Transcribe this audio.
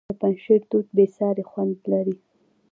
د پنجشیر توت بې ساري خوند لري.